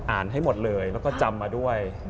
ให้หมดเลยแล้วก็จำมาด้วย